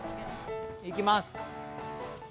いきます！